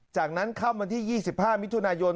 จากนั้นค่ำวันที่๒๕มิถุนายน